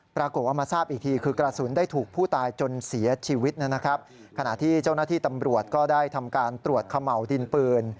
ปรากฏว่ามาทราบอีกทีคือกระสุนได้ถูกผู้ตายจนเสียชีวิตนะครับ